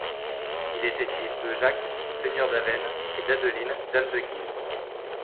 Il était fils de Jacques, seigneur d'Avesnes, et d'Adeline, dame de Guise.